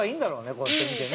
こうやって見てね。